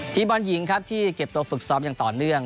บอลหญิงครับที่เก็บตัวฝึกซ้อมอย่างต่อเนื่อง